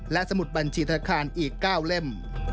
และสมุดบัญชีธนาคารอีก๙เล่ม